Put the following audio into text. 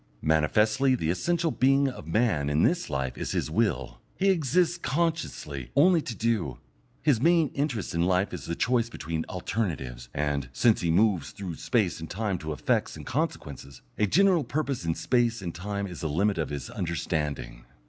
Manifestly the essential being of man in this life is his will; he exists consciously only to do; his main interest in life is the choice between alternatives; and, since he moves through space and time to effects and consequences, a general purpose in space and time is the limit of his understanding.